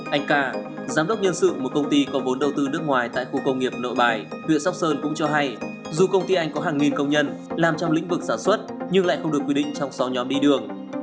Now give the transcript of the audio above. anh ca giám đốc nhân sự một công ty có vốn đầu tư nước ngoài tại khu công nghiệp nội bài huyện sóc sơn cũng cho hay dù công ty anh có hàng nghìn công nhân làm trong lĩnh vực sản xuất nhưng lại không được quy định trong sáu nhóm đi đường